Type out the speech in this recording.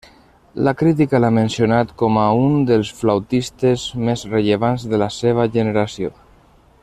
La crítica l'ha mencionat com a un dels flautistes més rellevants de la seva generació.